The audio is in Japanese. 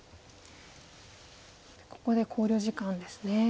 ここで考慮時間ですね。